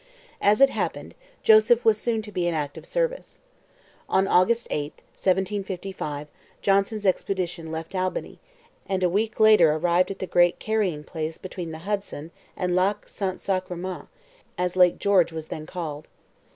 As it happened, Joseph was soon to be in active service. On August 8, 1755, Johnson's expedition left Albany, and a week later arrived at the great carrying place between the Hudson and Lac St Sacrement, as Lake George was then called.